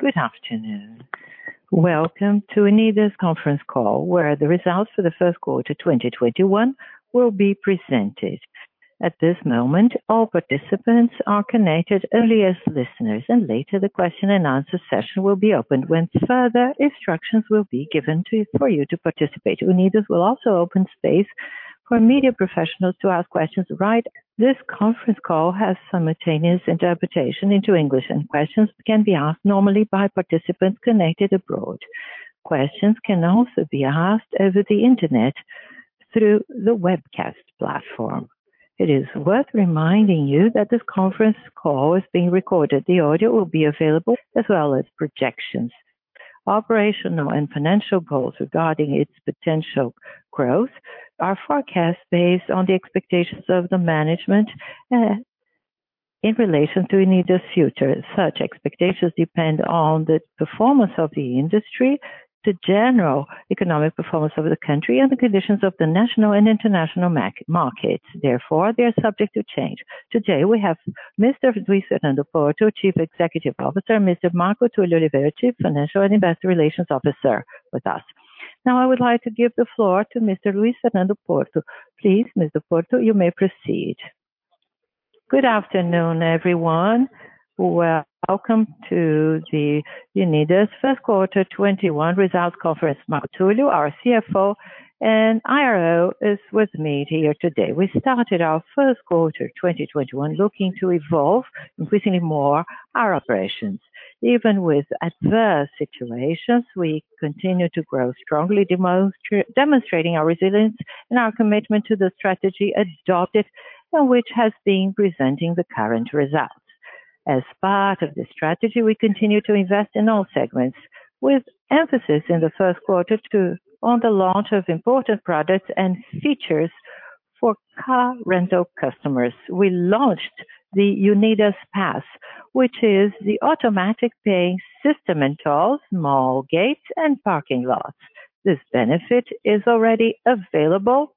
Good afternoon. Welcome to Unidas conference call, where the results for the first quarter 2021 will be presented. At this moment, all participants are connected only as listeners, and later the question and answer session will be opened when further instructions will be given for you to participate. Unidas will also open space for media professionals to ask questions. This conference call has simultaneous interpretation into English, and questions can be asked normally by participants connected abroad. Questions can also be asked over the Internet through the webcast platform. It is worth reminding you that this conference call is being recorded. The audio will be available as well as projections. Operational and financial goals regarding its potential growth are forecast based on the expectations of the management in relation to Unidas future. Such expectations depend on the performance of the industry, the general economic performance of the country, and the conditions of the national and international markets. They are subject to change. Today, we have Mr. Luis Fernando Porto, Chief Executive Officer, Mr. Marco Túlio de Carvalho Oliveira, Chief Financial and Investor Relations Officer with us. I would like to give the floor to Mr. Luis Fernando Porto. Please, Mr. Porto, you may proceed. Good afternoon, everyone. Welcome to the Unidas first quarter 2021 results conference. Marco Túlio, our CFO and IRO is with me here today. We started our first quarter 2021 looking to evolve increasingly more our operations. Even with adverse situations, we continue to grow strongly, demonstrating our resilience and our commitment to the strategy adopted and which has been presenting the current results. As part of this strategy, we continue to invest in all segments with emphasis in the first quarter on the launch of important products and features for car rental customers. We launched the Unidas Pass, which is the automatic paying system in tolls, mall gates, and parking lots. This benefit is already available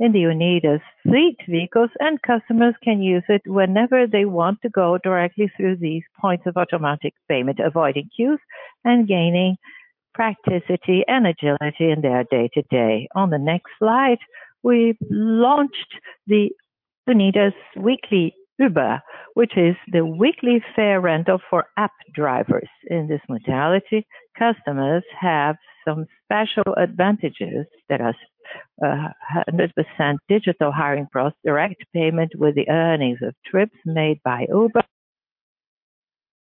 in the Unidas fleet vehicles, and customers can use it whenever they want to go directly through these points of automatic payment, avoiding queues and gaining practicality and agility in their day-to-day. On the next slide, we launched the Unidas Weekly Uber, which is the weekly fare rental for app drivers. In this modality, customers have some special advantages that are 100% digital hiring plus direct payment with the earnings of trips made by Uber.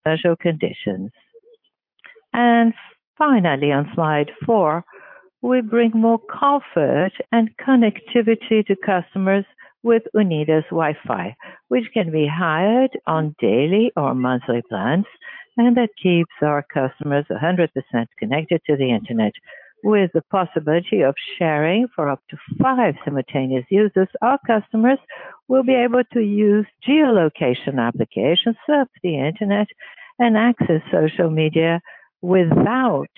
Special conditions. Finally, on slide four, we bring more comfort and connectivity to customers with Unidas Wi-Fi, which can be hired on daily or monthly plans, and that keeps our customers 100% connected to the internet with the possibility of sharing for up to five simultaneous users. Our customers will be able to use geolocation applications, surf the internet, and access social media without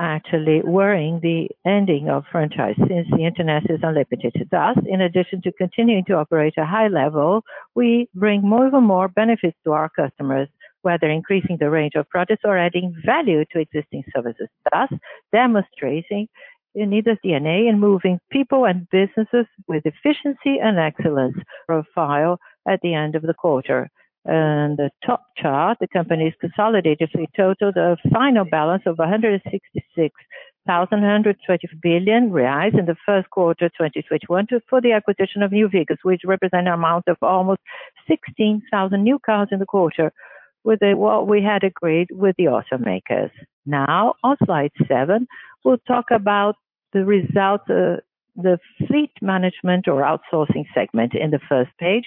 actually worrying the ending of franchise, since the internet is unlimited to us. In addition to continuing to operate a high level, we bring more and more benefits to our customers, whether increasing the range of products or adding value to existing services, thus demonstrating Unidas DNA in moving people and businesses with efficiency and excellence. Profile at the end of the quarter. In the top chart, the company's consolidated fleet totaled a final balance of BRL [166,120,000] in the first quarter 2021 for the acquisition of new vehicles, which represent an amount of almost 16,000 new cars in the quarter with what we had agreed with the automakers. On slide seven, we will talk about the results of the fleet management or outsourcing segment. In the first page,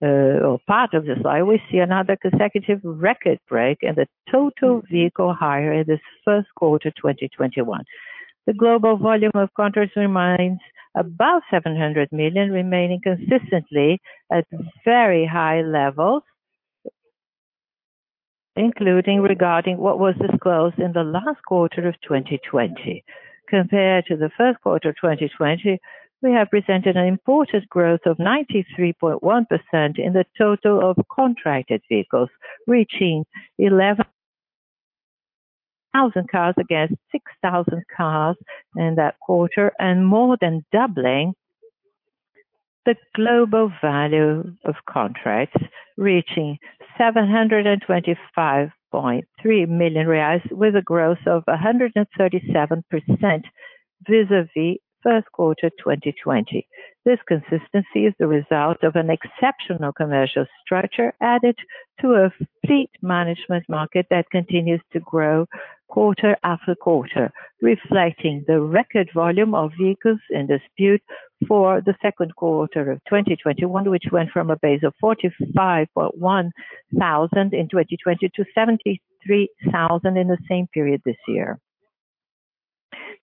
or part of the slide, we see another consecutive record break in the total vehicle hire in this first quarter 2021. The global volume of contracts remains above 700 million, remaining consistently at very high levels, including regarding what was disclosed in the last quarter of 2020. Compared to the first quarter of 2020, we have presented an important growth of 93.1% in the total of contracted vehicles, reaching 11,000 cars against 6,000 cars in that quarter, and more than doubling the global value of contracts, reaching BRL 725.3 million, with a growth of 137% vis-à-vis first quarter 2020. This consistency is the result of an exceptional commercial structure added to a fleet management market that continues to grow quarter after quarter, reflecting the record volume of vehicles in dispute for the second quarter of 2021, which went from a base of 45,100 in 2020 to 73,000 in the same period this year.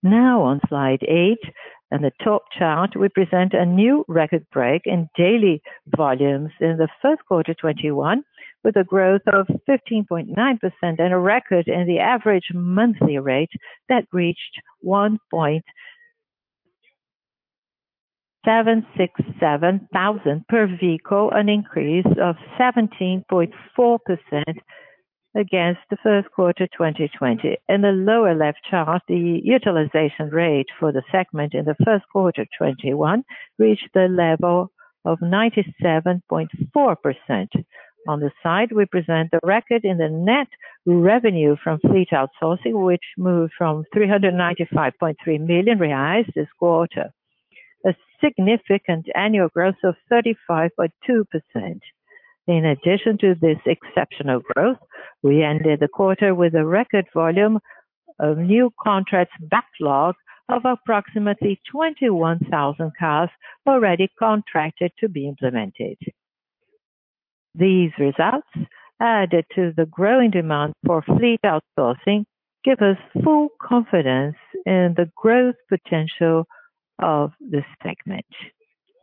Now on slide eight, in the top chart, we present a new record break in daily volumes in the first quarter 2021, with a growth of 15.9% and a record in the average monthly rate that reached 1,767 per vehicle, an increase of 17.4% against the first quarter 2020. In the lower left chart, the utilization rate for the segment in the first quarter 2021 reached the level of 97.4%. On the side, we present the record in the net revenue from fleet outsourcing, which moved from 395.3 million reais this quarter, a significant annual growth of 35.2%. In addition to this exceptional growth, we ended the quarter with a record volume of new contracts backlog of approximately 21,000 cars already contracted to be implemented. These results, added to the growing demand for fleet outsourcing, give us full confidence in the growth potential of this segment.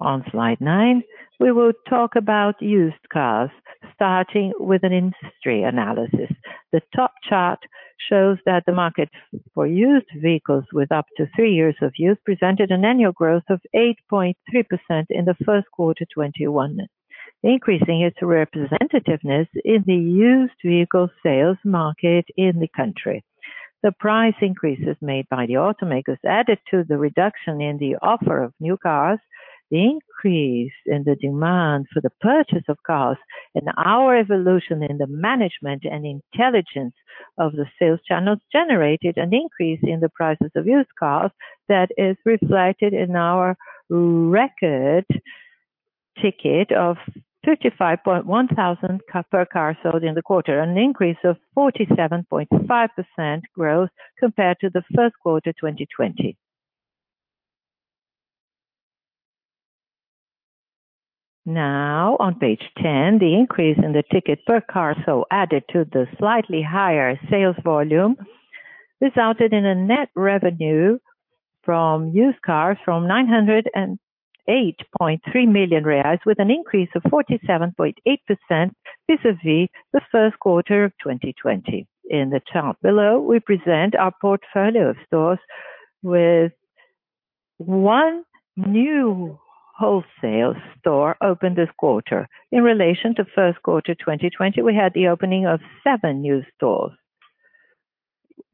On slide nine, we will talk about used cars, starting with an industry analysis. The top chart shows that the market for used vehicles with up to three years of use presented an annual growth of 8.3% in the first quarter 2021, increasing its representativeness in the used vehicle sales market in the country. The price increases made by the automakers added to the reduction in the offer of new cars, the increase in the demand for the purchase of cars, and our evolution in the management and intelligence of the sales channels generated an increase in the prices of used cars that is reflected in our record ticket of 35,100 per car sold in the quarter, an increase of 47.5% growth compared to the first quarter 2020. On page 10, the increase in the ticket per car sold added to the slightly higher sales volume, resulted in a net revenue from used cars from 908.3 million reais with an increase of 47.8% vis-a-vis the first quarter of 2020. In the chart below, we present our portfolio of stores with one new wholesale store opened this quarter. In relation to first quarter 2020, we had the opening of seven new stores.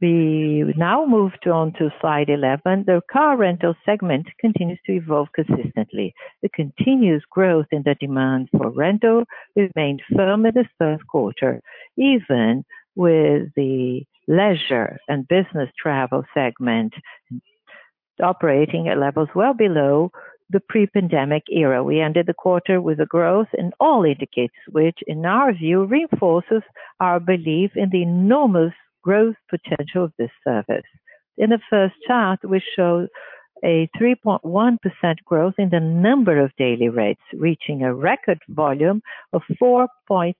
We now move on to slide 11. The car rental segment continues to evolve consistently. The continuous growth in the demand for rental remained firm in this first quarter, even with the leisure and business travel segment operating at levels well below the pre-pandemic era. We ended the quarter with a growth in all indicators, which in our view, reinforces our belief in the enormous growth potential of this service. In the first chart, we show a 3.1% growth in the number of daily rates, reaching a record volume of 4.6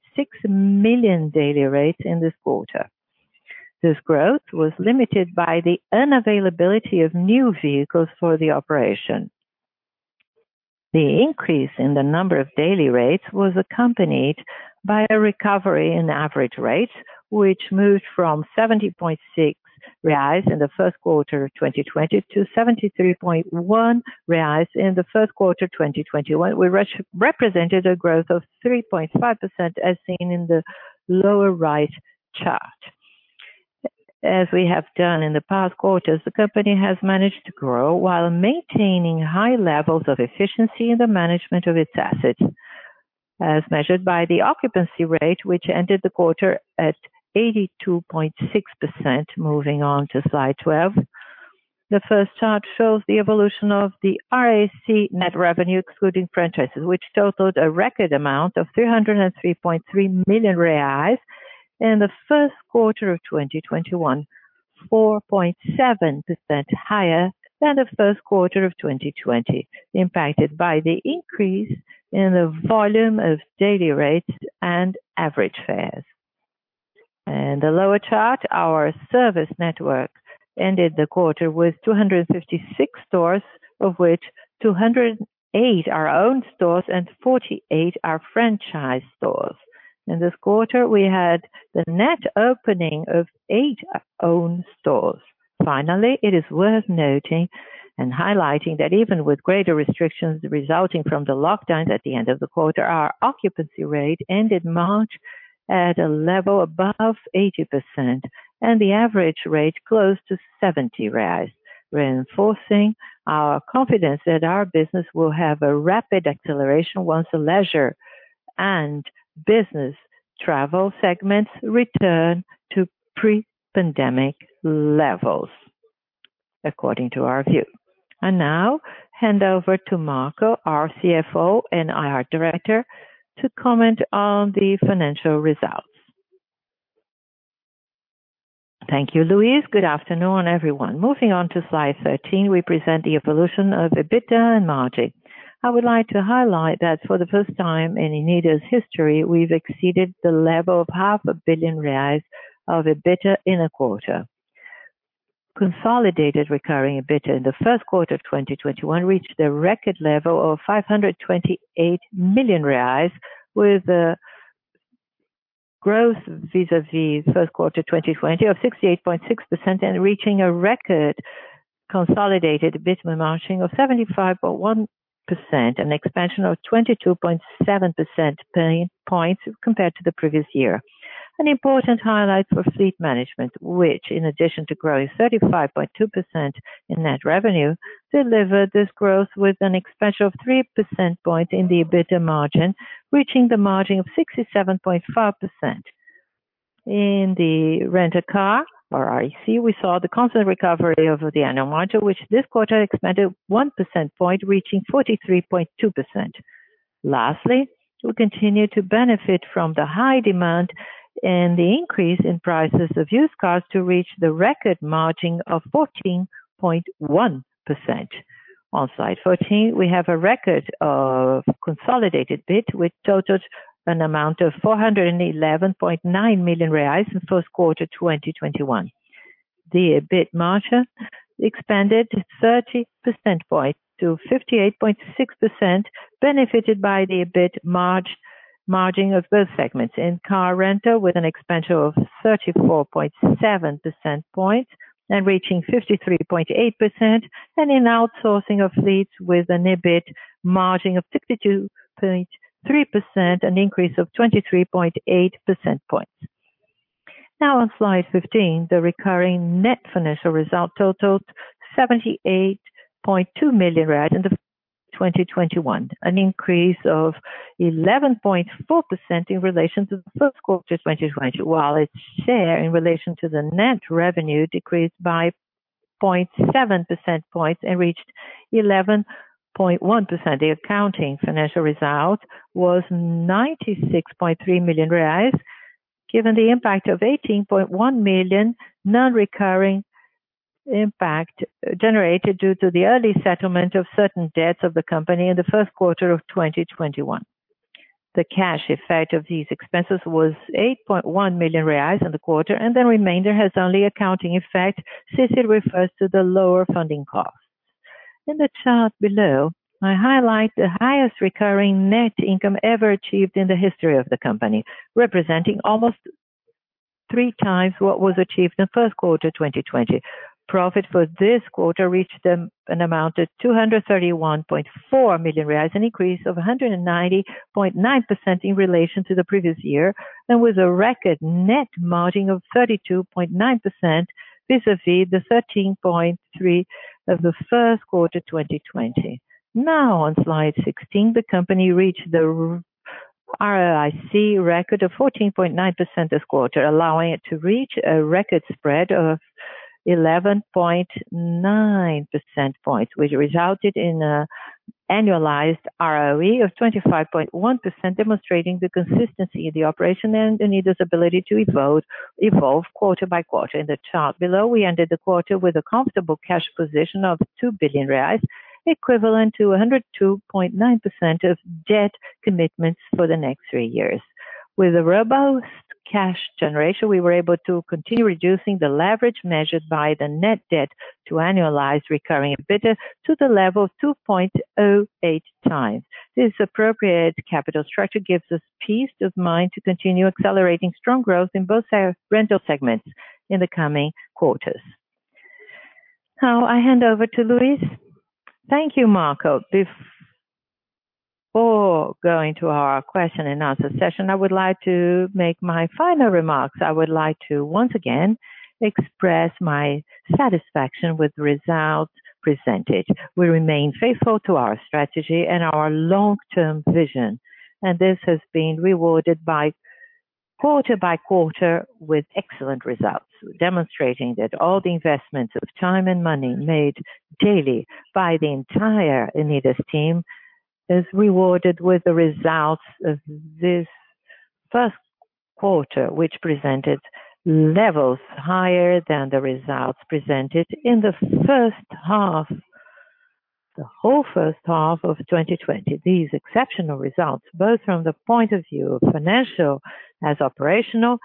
million daily rates in this quarter. This growth was limited by the unavailability of new vehicles for the operation. The increase in the number of daily rates was accompanied by a recovery in average rates, which moved from BRL 70.6 in the first quarter of 2020 to BRL 73.1 in the first quarter 2021, which represented a growth of 3.5%, as seen in the lower right chart. As we have done in the past quarters, the company has managed to grow while maintaining high levels of efficiency in the management of its assets, as measured by the occupancy rate, which ended the quarter at 82.6%. Moving on to slide 12. The first chart shows the evolution of the RAC net revenue, excluding franchises, which totaled a record amount of BRL 303.3 million in the first quarter of 2021, 4.7% higher than the first quarter of 2020, impacted by the increase in the volume of daily rates and average fares. In the lower chart, our service network ended the quarter with 256 stores, of which 208 are owned stores and 48 are franchise stores. In this quarter, we had the net opening of eight owned stores. Finally, it is worth noting and highlighting that even with greater restrictions resulting from the lockdowns at the end of the quarter, our occupancy rate ended March at a level above 80% and the average rate close to 70 reais, reinforcing our confidence that our business will have a rapid acceleration once the leisure and business travel segments return to pre-pandemic levels, according to our view. I now hand over to Marco, our CFO and IR Director, to comment on the financial results. Thank you, Luis. Good afternoon, everyone. Moving on to slide 13, we present the evolution of EBITDA and margin. I would like to highlight that for the first time in Unidas history, we've exceeded the level of 500 million reais of EBITDA in a quarter. Consolidated recurring EBITDA in the first quarter of 2021 reached a record level of 528 million reais, with a growth vis-à-vis first quarter 2020 of 68.6% and reaching a record consolidated EBITDA margin of 75.1%, an expansion of 22.7% points compared to the previous year. An important highlight for fleet management, which, in addition to growing 35.2% in net revenue, delivered this growth with an expansion of 3% point in the EBITDA margin, reaching the margin of 67.5%. In the rent a car or RAC, we saw the constant recovery of the annual margin, which this quarter expanded 1% point, reaching 43.2%. Lastly, we continue to benefit from the high demand and the increase in prices of used cars to reach the record margin of 14.1%. On slide 14, we have a record of consolidated EBIT with totaled an amount of 411.9 million reais in first quarter 2021. The EBIT margin expanded 30 percentage points to 58.6%, benefited by the EBIT margin of both segments. In car rental with an expansion of 34.7 percentage points and reaching 53.8%. In outsourcing of fleets with an EBIT margin of 62.3%, an increase of 23.8 percentage points. On slide 15, the recurring net financial result totaled BRL 78.2 million in the first quarter of 2021, an increase of 11.4% in relation to the first quarter 2020. While its share in relation to the net revenue decreased by 0.7 percentage points and reached 11.1%. The accounting financial result was BRL 96.3 million, given the impact of BRL 18.1 million non-recurring impact generated due to the early settlement of certain debts of the company in the first quarter of 2021. The cash effect of these expenses was 8.1 million reais in the quarter, and the remainder has only accounting effect since it refers to the lower funding costs. In the chart below, I highlight the highest recurring net income ever achieved in the history of the company, representing almost 3x what was achieved in first quarter 2020. Profit for this quarter reached an amount of 231.4 million reais, an increase of 190.9% in relation to the previous year, and with a record net margin of 32.9% vis-à-vis the 13.3% of the first quarter 2020. Now on slide 16, the company reached the ROIC record of 14.9% this quarter, allowing it to reach a record spread of 11.9 percentage points, which resulted in an annualized ROE of 25.1%, demonstrating the consistency of the operation and the Unidas' ability to evolve quarter by quarter. In the chart below, we ended the quarter with a comfortable cash position of 2 billion reais, equivalent to 102.9% of debt commitments for the next three years. With a robust cash generation, we were able to continue reducing the leverage measured by the net debt to annualized recurring EBITDA to the level of 2.08x. This appropriate capital structure gives us peace of mind to continue accelerating strong growth in both our rental segments in the coming quarters. Now I hand over to Luis. Thank you, Marco. Before going to our question and answer session, I would like to make my final remarks. I would like to once again express my satisfaction with the results presented. We remain faithful to our strategy and our long-term vision, and this has been rewarded by quarter by quarter with excellent results. Demonstrating that all the investments of time and money made daily by the entire Unidas team is rewarded with the results of this first quarter, which presented levels higher than the results presented in the whole first half of 2020. These exceptional results, both from the point of view of financial as operational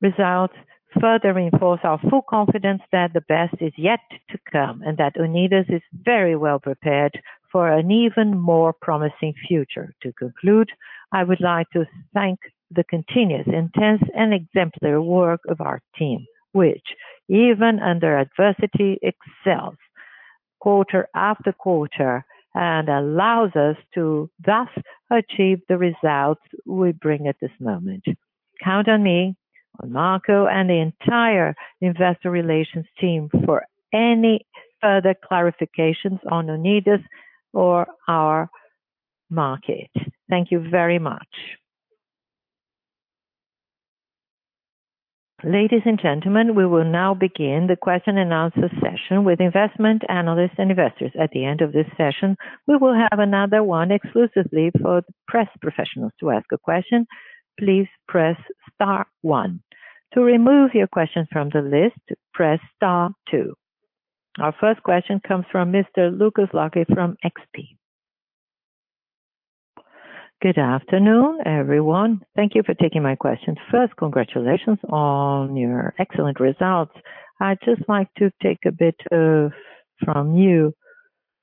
results, further reinforce our full confidence that the best is yet to come and that Unidas is very well prepared for an even more promising future. To conclude, I would like to thank the continuous, intense, and exemplary work of our team, which even under adversity excels quarter after quarter and allows us to thus achieve the results we bring at this moment. Count on me, on Marco, and the entire investor relations team for any further clarifications on Unidas or our market. Thank you very much. Ladies and gentlemen, we will now begin the question and answer session with investment analysts and investors. At the end of this session, we will have another one exclusively for the press professionals to ask a question. Please press star one. To remove your question from the list, press star two. Our first question comes from Mr. Lucas Laghi from XP. Good afternoon, everyone. Thank you for taking my question. First, congratulations on your excellent results. I'd just like to take a bit from you.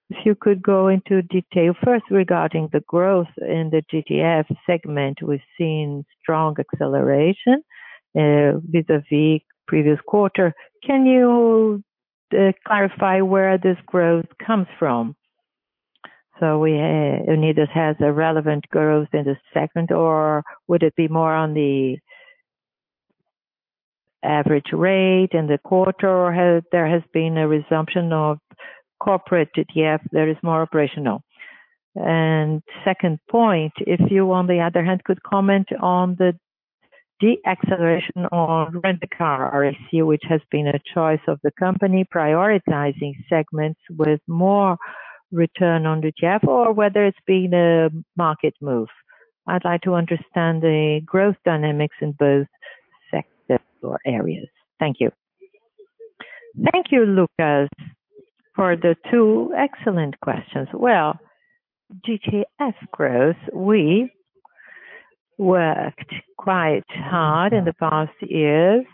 If you could go into detail first regarding the growth in the GTF segment. We've seen strong acceleration vis-a-vis previous quarter. Can you clarify where this growth comes from? Unidas has a relevant growth in this segment, or would it be more on the average rate in the quarter? There has been a resumption of corporate GTF that is more operational. Second point, if you, on the other hand, could comment on the deceleration on Rent-A-Car RAC, which has been a choice of the company prioritizing segments with more return on GTF or whether it's been a market move. I'd like to understand the growth dynamics in both sectors or areas. Thank you. Thank you, Lucas, for the two excellent questions. Well, GTF growth, we worked quite hard in the past years.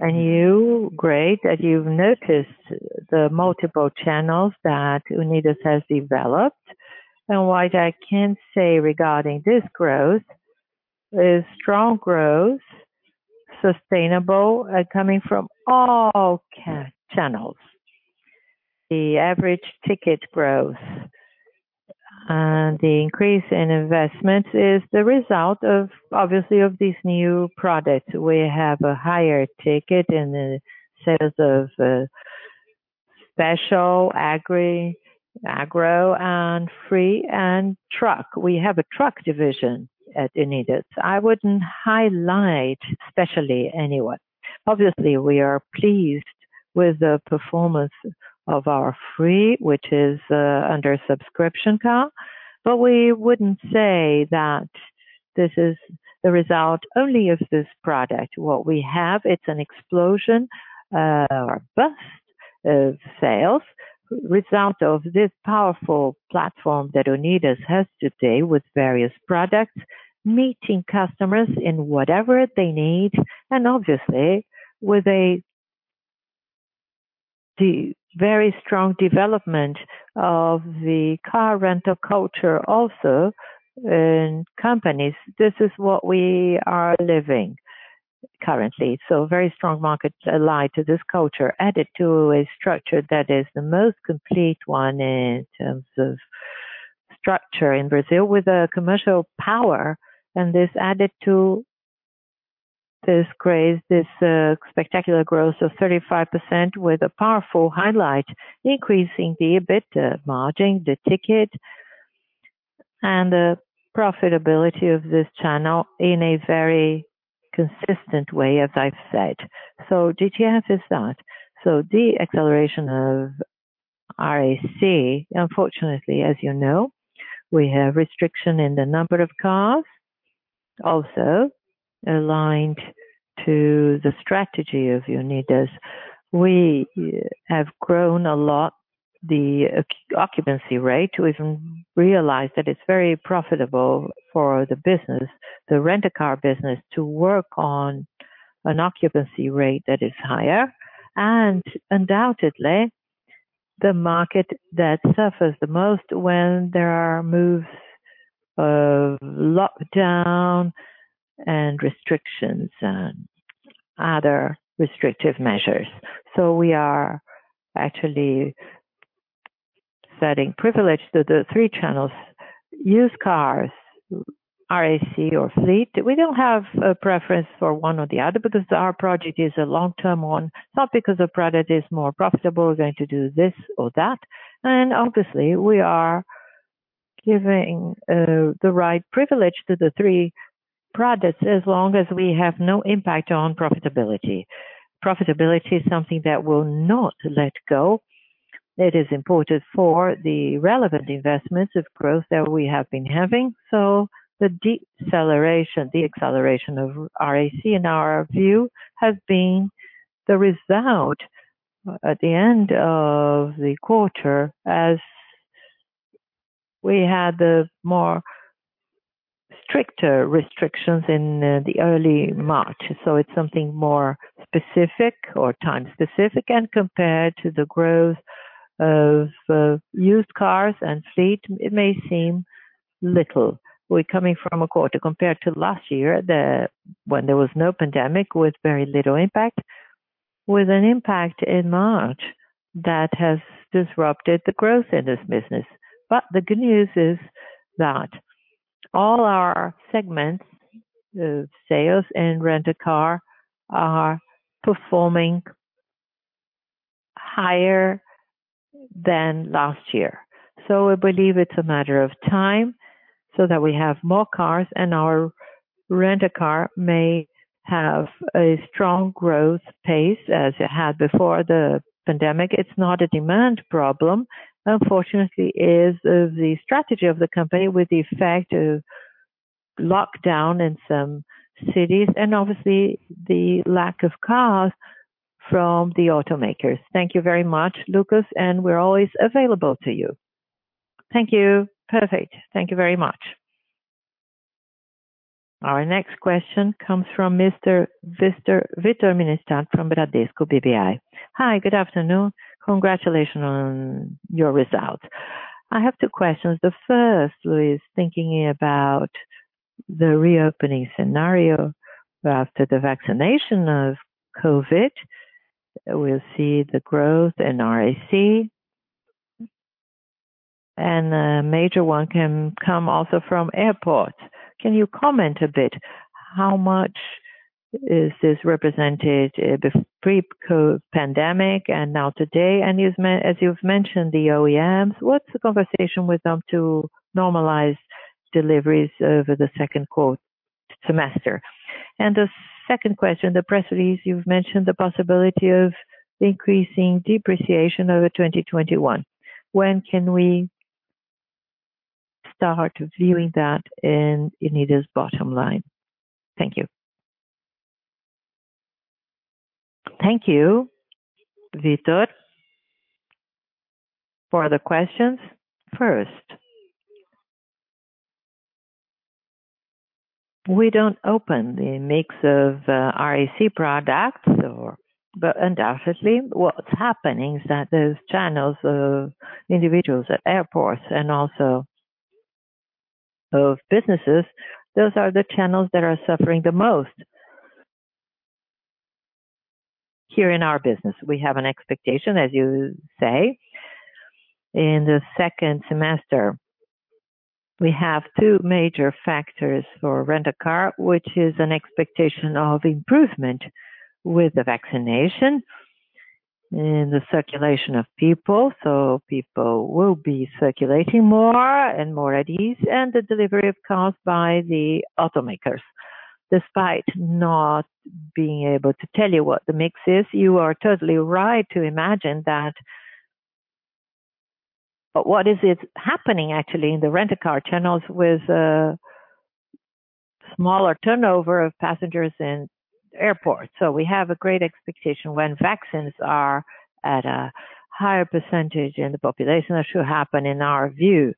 You, great that you've noticed the multiple channels that Unidas has developed. What I can say regarding this growth is strong growth, sustainable, and coming from all channels. The average ticket growth and the increase in investment is the result, obviously, of these new products. We have a higher ticket in the sales of Special, Agri, Agro, and Livre and Truck. We have a truck division at Unidas. I wouldn't highlight specially anyone. Obviously, we are pleased with the performance of our Livre, which is under a subscription car, but we wouldn't say that this is the result only of this product. What we have, it's an explosion, a burst of sales, result of this powerful platform that Unidas has today with various products, meeting customers in whatever they need, and obviously, with a very strong development of the car rental culture also in companies. This is what we are living currently. Very strong market ally to this culture, added to a structure that is the most complete one in terms of structure in Brazil with a commercial power. This added to this spectacular growth of 35% with a powerful highlight, increasing the EBIT, the margin, the ticket, and the profitability of this channel in a very consistent way, as I've said. GTF is that. The acceleration of RAC, unfortunately, as you know, we have restriction in the number of cars also aligned to the strategy of Unidas. We have grown a lot the occupancy rate. We've realized that it's very profitable for the business, the Rent-A-Car business, to work on an occupancy rate that is higher and undoubtedly, the market that suffers the most when there are moves of lockdown and restrictions and other restrictive measures. We are actually setting privilege to the three channels, used cars, RAC, or fleet. We don't have a preference for one or the other because our project is a long-term one, not because a product is more profitable, we're going to do this or that. Obviously, we are giving the right privilege to the three products as long as we have no impact on profitability. Profitability is something that we'll not let go. It is important for the relevant investments of growth that we have been having. The deceleration, the acceleration of RAC in our view, has been the result at the end of the quarter as we had the more stricter restrictions in the early March. It's something more specific or time-specific, and compared to the growth of used cars and fleet, it may seem little. We're coming from a quarter compared to last year, when there was no pandemic with very little impact, with an impact in March that has disrupted the growth in this business. The good news is that all our segments, sales and Rent-A-Car, are performing higher than last year. We believe it's a matter of time so that we have more cars and our Rent-A-Car may have a strong growth pace as it had before the pandemic. It's not a demand problem. Unfortunately, it is the strategy of the company with the effect of lockdown in some cities and obviously the lack of cars from the automakers. Thank you very much, Lucas. We're always available to you. Thank you. Perfect. Thank you very much. Our next question comes from Mr. Victor Mizusaki from Bradesco BBI. Hi, good afternoon. Congratulations on your results. I have two questions. The first, Luis, thinking about the reopening scenario after the vaccination of COVID, we'll see the growth in RAC. A major one can come also from airports. Can you comment a bit, how much is this represented pre-COVID pandemic and now today? As you've mentioned, the OEMs, what's the conversation with them to normalize deliveries over the second semester? The second question, the press release, you've mentioned the possibility of increasing depreciation over 2021. When can we start viewing that in Unidas bottom line? Thank you. Thank you, Victor. For the questions, first, we don't open the mix of RAC products. Undoubtedly, what's happening is that those channels of individuals at airports and also of businesses, those are the channels that are suffering the most. Here in our business, we have an expectation, as you say. In the second semester, we have two major factors for rent a car, which is an expectation of improvement with the vaccination and the circulation of people. People will be circulating more and more at ease, and the delivery of cars by the automakers. Despite not being able to tell you what the mix is, you are totally right to imagine that. What is happening actually in the rent a car channels with a smaller turnover of passengers in airports. We have a great expectation when vaccines are at a higher percentage in the population. That should happen in our view.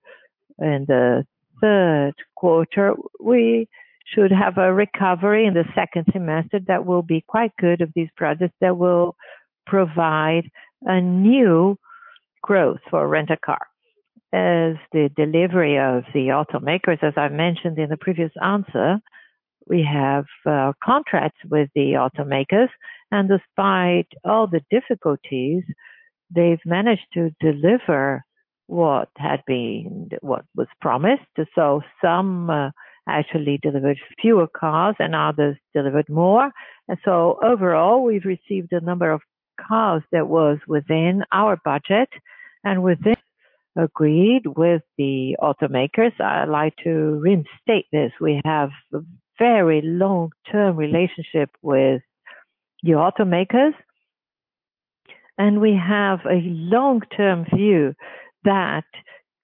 In the third quarter, we should have a recovery in the second semester that will be quite good of these projects that will provide a new growth for rent a car. As the delivery of the automakers, as I mentioned in the previous answer, we have contracts with the automakers, and despite all the difficulties, they've managed to deliver what was promised. Some actually delivered fewer cars and others delivered more. Overall, we've received a number of cars that was within our budget and within agreed with the automakers. I'd like to restate this. We have a very long-term relationship with the automakers, and we have a long-term view that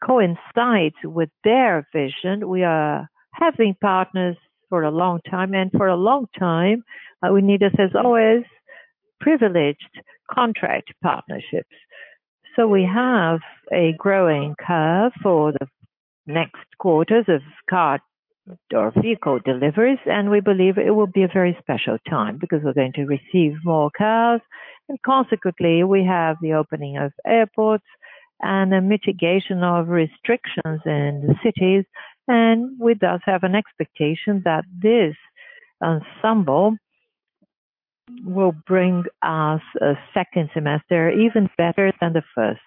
coincides with their vision. We are having partners for a long time, for a long time, Unidas has always privileged contract partnerships. We have a growing curve for the next quarters of car or vehicle deliveries, and we believe it will be a very special time because we're going to receive more cars. Consequently, we have the opening of airports and a mitigation of restrictions in the cities. We thus have an expectation that this ensemble will bring us a second semester even better than the first.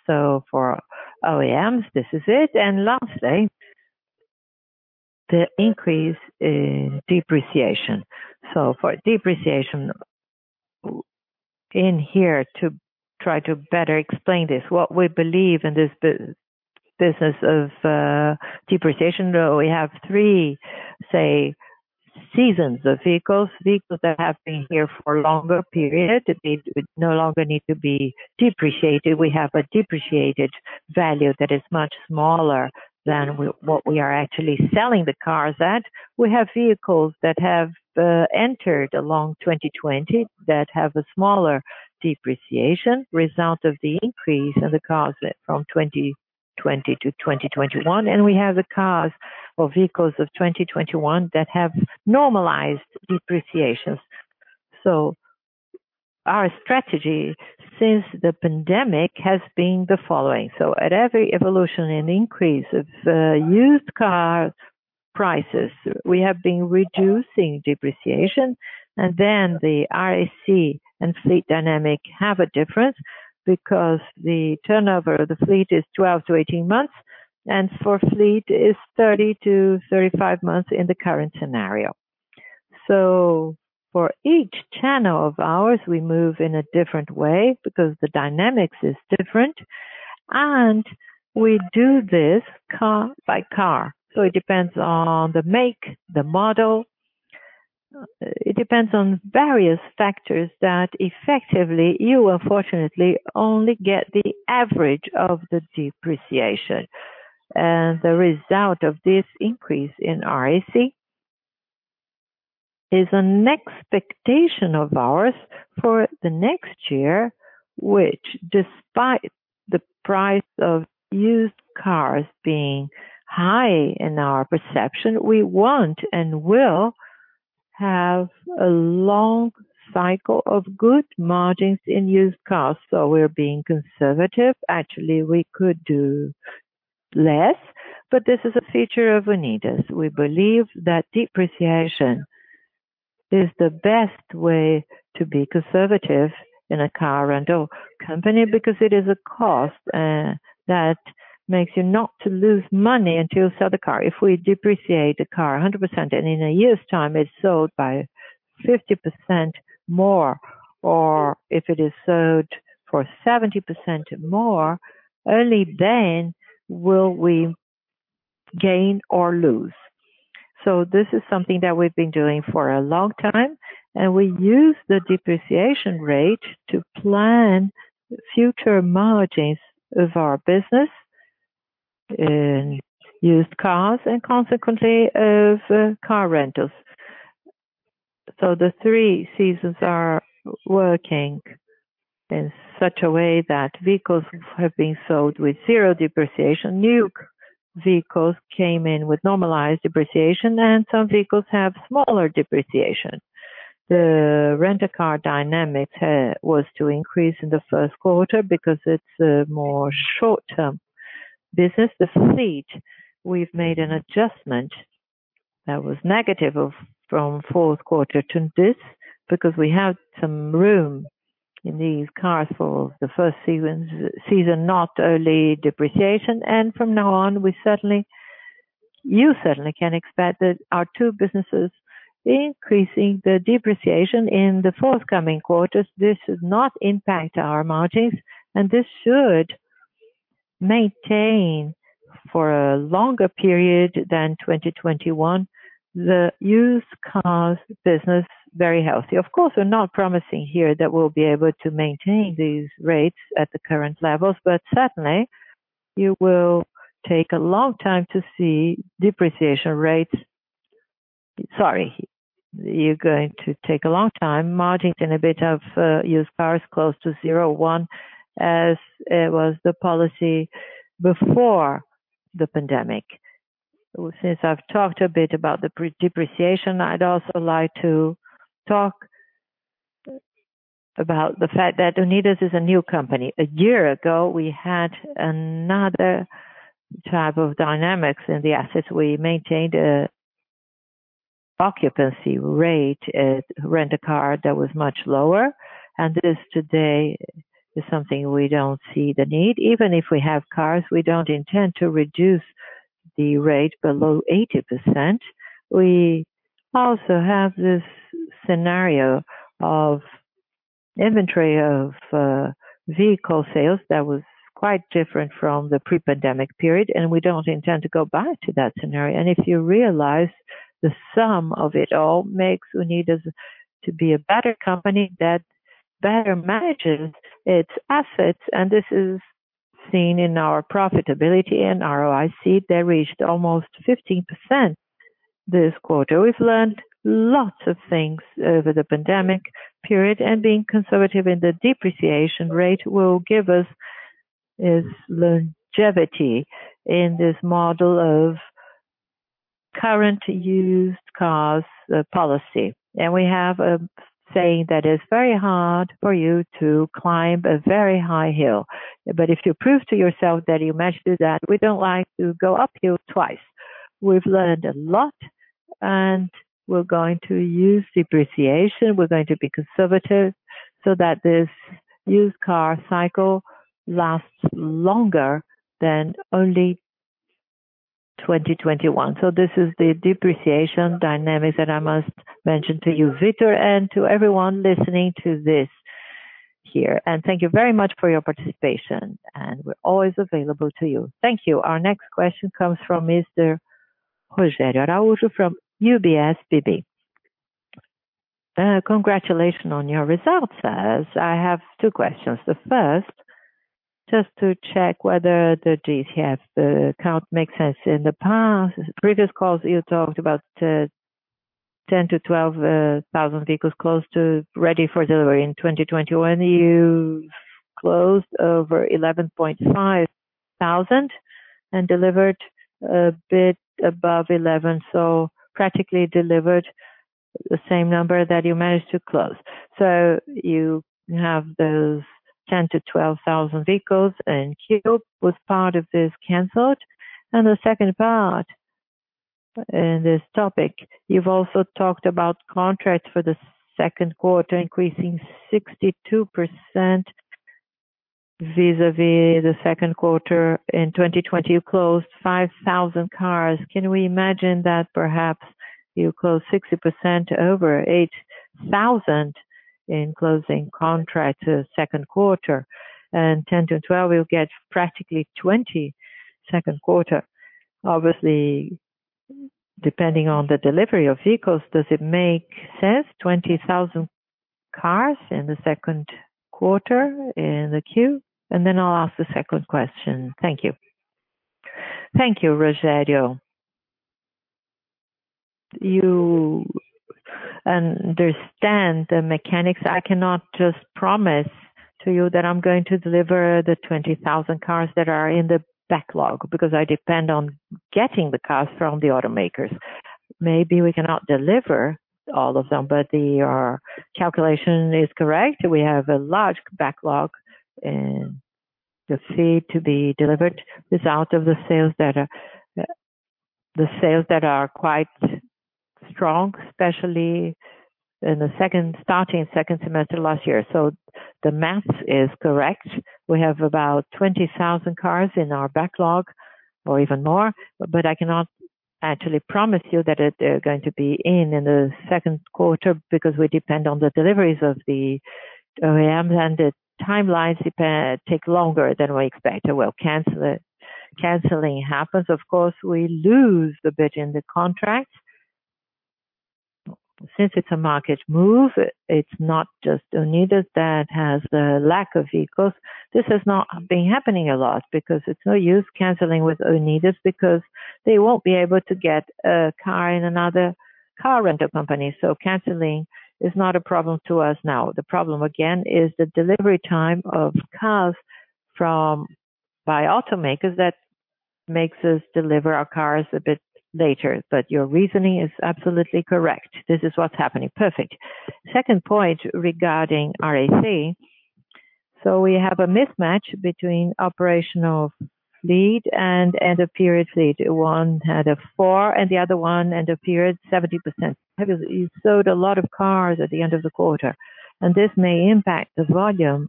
For OEMs, this is it. Lastly, the increase in depreciation. For depreciation in here to try to better explain this, what we believe in this business of depreciation, we have three, say, seasons of vehicles. Vehicles that have been here for a longer period, no longer need to be depreciated. We have a depreciated value that is much smaller than what we are actually selling the cars at. We have vehicles that have entered along 2020 that have a smaller depreciation result of the increase in the cars from 2020 to 2021. We have the cars or vehicles of 2021 that have normalized depreciation. Our strategy since the pandemic has been the following. At every evolution and increase of used car prices, we have been reducing depreciation, and then the RAC and fleet dynamic have a difference because the turnover of the fleet is 12-18 months, and for fleet is 30-35 months in the current scenario. For each channel of ours, we move in a different way because the dynamics is different, and we do this car by car. It depends on the make, the model. It depends on various factors that effectively you will fortunately only get the average of the depreciation. The result of this increase in RAC is an expectation of ours for the next year, which despite the price of used cars being high in our perception, we want and will have a long cycle of good margins in used cars. We're being conservative. Actually, we could do less, but this is a feature of Unidas. We believe that depreciation is the best way to be conservative in a car rental company because it is a cost that makes you not to lose money until you sell the car. If we depreciate a car 100% and in a year's time it's sold by 50% more, or if it is sold for 70% more, only then will we gain or lose. This is something that we've been doing for a long time, and we use the depreciation rate to plan future margins of our business in used cars and consequently of car rentals. The three seasons are working in such a way that vehicles have been sold with zero depreciation. New vehicles came in with normalized depreciation, and some vehicles have smaller depreciation. The rent a car dynamic was to increase in the first quarter because it's a more short term business. The fleet, we've made an adjustment that was negative from fourth quarter to this because we have some room in these cars for the first season, not early depreciation. From now on, you certainly can expect that our two businesses increasing the depreciation in the forthcoming quarters. This should not impact our margins and this should maintain for a longer period than 2021, the used cars business very healthy. We're not promising here that we'll be able to maintain these rates at the current levels, but certainly you will take a long time to see depreciation rates. Sorry, you're going to take a long time. Margins in a bit of used cars close to 01 as it was the policy before the pandemic. I've talked a bit about the depreciation, I'd also like to talk about the fact that Unidas is a new company. A year ago, we had another type of dynamics in the assets. We maintained a occupancy rate at rent a car that was much lower, and this today is something we don't see the need. Even if we have cars, we don't intend to reduce the rate below 80%. We also have this scenario of inventory of vehicle sales that was quite different from the pre-pandemic period, and we don't intend to go back to that scenario. If you realize the sum of it all makes Unidas to be a better company that better manages its assets. This is seen in our profitability and ROIC that reached almost 15% this quarter. We've learned lots of things over the pandemic period, and being conservative in the depreciation rate will give us its longevity in this model of current used cars policy. We have a saying that it's very hard for you to climb a very high hill, but if you prove to yourself that you managed to do that, we don't like to go uphill twice. We've learned a lot and we're going to use depreciation. We're going to be conservative so that this used car cycle lasts longer than only 2021. This is the depreciation dynamics that I must mention to you, Victor, and to everyone listening to this here. Thank you very much for your participation, and we're always available to you. Thank you. Our next question comes from Mr. Rogério Araújo from UBS BB. Congratulations on your results. I have two questions. The first, just to check whether the [GTF] count makes sense. In the past previous calls, you talked about 10,000-12,000 vehicles close to ready for delivery in 2021. You closed over 11,500 and delivered a bit above 11,000. Practically delivered the same number that you managed to close. You have those 10,000-12,000 vehicles in queue with part of this canceled. The second part in this topic, you've also talked about contracts for the second quarter increasing 62% vis-à-vis the second quarter. In 2020, you closed 5,000 cars. Can we imagine that perhaps you close 60% over 8,000 in closing contracts second quarter and 10-12, you'll get practically 20,000 second quarter. Obviously, depending on the delivery of vehicles, does it make sense, 20,000 cars in the second quarter in the queue? Then I'll ask the second question. Thank you. Thank you, Rogério. You understand the mechanics. I cannot just promise to you that I'm going to deliver the 20,000 cars that are in the backlog because I depend on getting the cars from the automakers. Maybe we cannot deliver all of them, but your calculation is correct. We have a large backlog and you'll see to be delivered result of the sales that are quite strong, especially starting second semester last year. The math is correct. We have about 20,000 cars in our backlog or even more, but I cannot actually promise you that they're going to be in the second quarter because we depend on the deliveries of the OEMs and the timelines take longer than we expected. Canceling happens, of course, we lose the bid in the contract. Since it's a market move, it's not just Unidas that has the lack of vehicles. This has not been happening a lot because it's no use canceling with Unidas because they won't be able to get a car in another car rental company. Canceling is not a problem to us now. The problem again is the delivery time of cars by automakers that makes us deliver our cars a bit later. Your reasoning is absolutely correct. This is what's happening. Perfect. Second point regarding RAC. We have a mismatch between operational fleet and end-of-period fleet. One had a four and the other one end of period, 70%. You sold a lot of cars at the end of the quarter, and this may impact the volume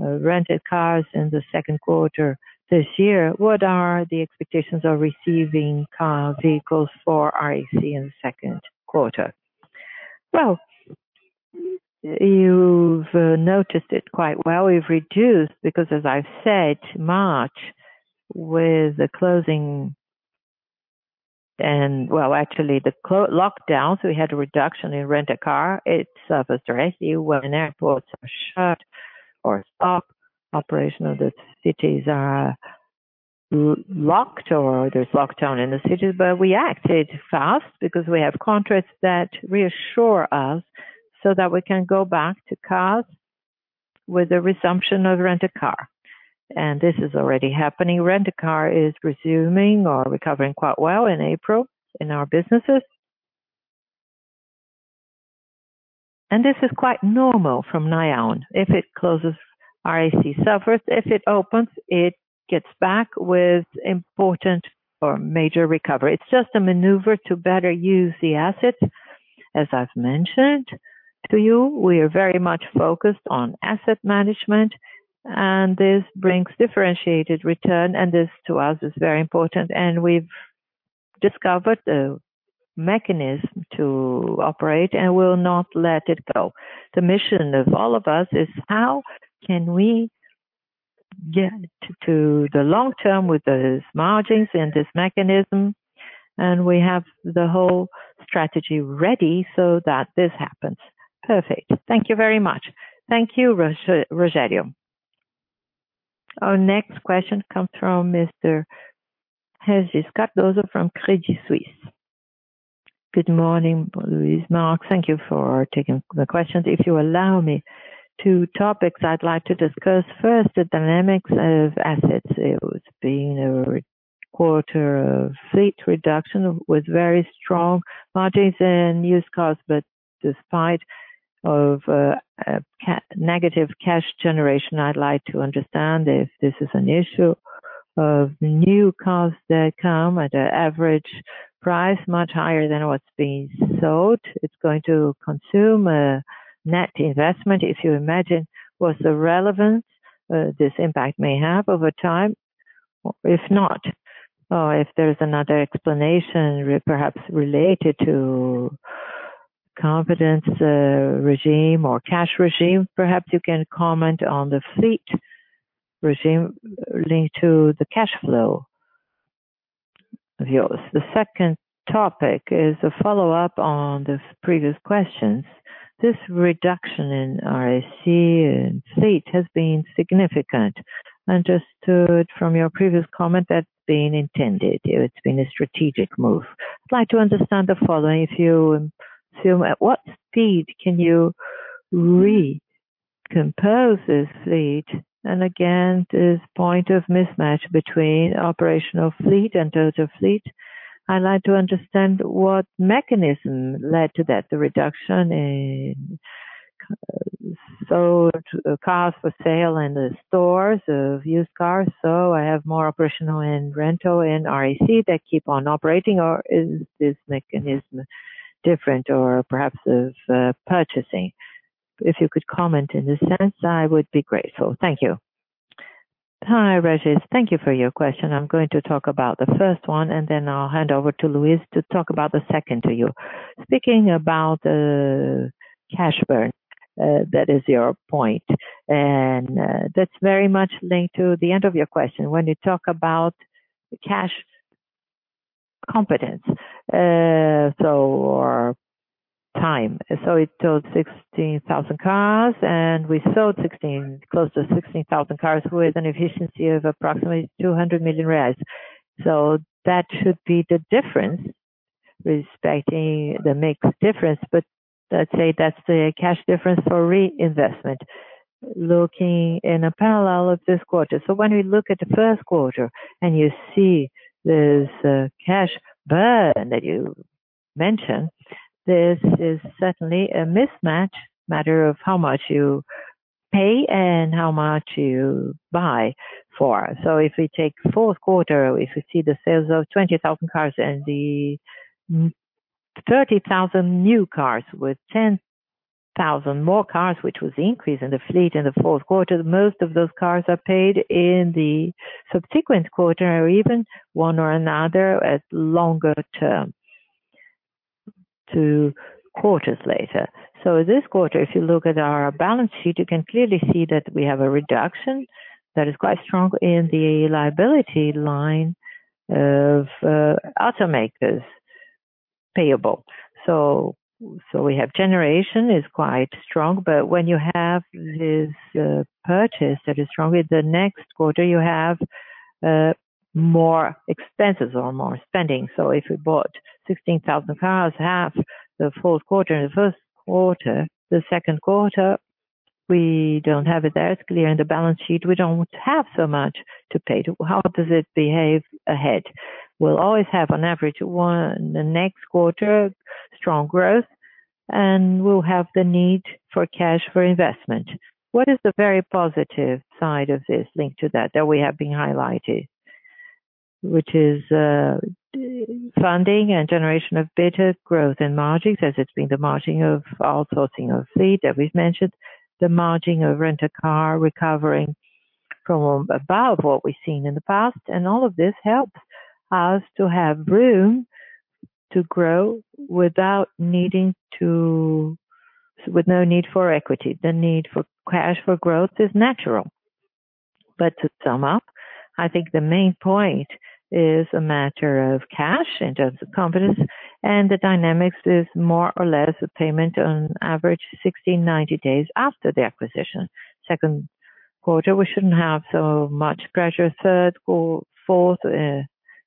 of rented cars in the second quarter this year. What are the expectations of receiving car vehicles for RAC in the second quarter? Well, you've noticed it quite well. We've reduced because as I've said, March with the closing and, well, actually the lockdown, so we had a reduction in rent a car. It suffers directly when airports are shut or stop. Operation of the cities are locked or there's lockdown in the cities. We acted fast because we have contracts that reassure us so that we can go back to cars with a resumption of Rent-A-Car. This is already happening. Rent-A-Car is resuming or recovering quite well in April in our businesses. This is quite normal from Niaon. If it closes, RAC suffers. If it opens, it gets back with important or major recovery. It's just a maneuver to better use the asset, as I've mentioned to you. We are very much focused on asset management, and this brings differentiated return, and this to us is very important. We've discovered a mechanism to operate, and we'll not let it go. The mission of all of us is how can we get to the long term with these margins and this mechanism, and we have the whole strategy ready so that this happens. Perfect. Thank you very much. Thank you, Rogério. Our next question comes from Mr. Régis Cardoso from Credit Suisse. Good morning, Luis, Marco. Thank you for taking the questions. If you allow me two topics I'd like to discuss. First, the dynamics of assets. It was being a quarter of fleet reduction with very strong margins in used cars. Despite of negative cash generation, I'd like to understand if this is an issue of new cars that come at an average price much higher than what's being sold. It's going to consume a net investment. If you imagine what the relevance this impact may have over time, or if not, or if there's another explanation, perhaps related to confidence regime or cash regime. Perhaps you can comment on the fleet regime linked to the cash flow of yours. The second topic is a follow-up on the previous questions. This reduction in RAC and fleet has been significant. Understood from your previous comment that's been intended. It's been a strategic move. I'd like to understand the following. At what speed can you re-compose this fleet? Again, this point of mismatch between operational fleet and total fleet. I'd like to understand what mechanism led to that, the reduction in cars for sale in the stores of used cars. I have more operational and rental and RAC that keep on operating. Is this mechanism different or perhaps of purchasing? If you could comment in this sense, I would be grateful. Thank you. Hi, Régis. Thank you for your question. I'm going to talk about the first one. Then I'll hand over to Luis to talk about the second to you. Speaking about cash burn, that is your point. That's very much linked to the end of your question. When you talk about cash-competence or time. It towed 16,000 cars. We sold close to 16,000 cars with an efficiency of approximately 200 million reais. That should be the difference respecting the mix difference. Let's say that's the cash difference for reinvestment. Looking in a parallel of this quarter. When we look at the first quarter. You see this cash burn that you mentioned, this is certainly a mismatch matter of how much you pay and how much you buy for. If we take the fourth quarter, if we see the sales of 20,000 cars and the 30,000 new cars with 10,000 more cars, which was the increase in the fleet in the fourth quarter, most of those cars are paid in the subsequent quarter or even one or another as longer term, two quarters later. This quarter, if you look at our balance sheet, you can clearly see that we have a reduction that is quite strong in the liability line of automakers payable. We have generation is quite strong, but when you have this purchase that is strong with the next quarter, you have more expenses or more spending. If we bought 16,000 cars, half the fourth quarter and the first quarter, the second quarter, we don't have it there. It's clear in the balance sheet, we don't have so much to pay. How does it behave ahead? We'll always have an average one the next quarter, strong growth, and we'll have the need for cash for investment. What is the very positive side of this link to that we have been highlighted, which is funding and generation of better growth and margins as it's been the margin of outsourcing of fleet that we've mentioned, the margin of Rent-A-Car recovering from above what we've seen in the past. All of this helps us to have room to grow with no need for equity. The need for cash for growth is natural. To sum up, I think the main point is a matter of cash in terms of confidence and the dynamics is more or less a payment on average 60, 90 days after the acquisition. Second quarter, we shouldn't have so much pressure. Third, fourth,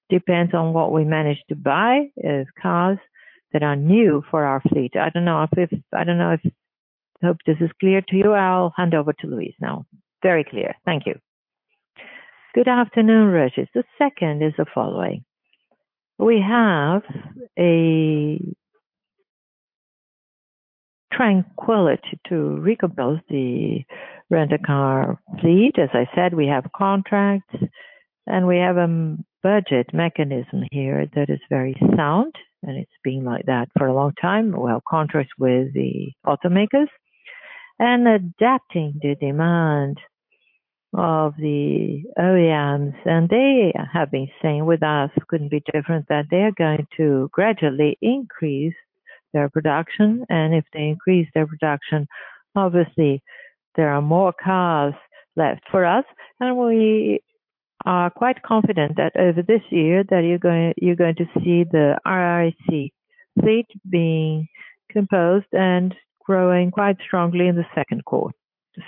depends on what we manage to buy as cars that are new for our fleet. I hope this is clear to you. I'll hand over to Luis now. Very clear. Thank you. Good afternoon, Régis. The second is the following. We have a tranquility to rebuild the Rent-A-Car fleet. As I said, we have contracts and we have a budget mechanism here that is very sound and it's been like that for a long time. We have contracts with the automakers. Adapting to demand of the OEMs, and they have been saying with us couldn't be different, that they are going to gradually increase their production. If they increase their production, obviously there are more cars left for us. We are quite confident that over this year that you're going to see the RAC fleet being composed and growing quite strongly in the second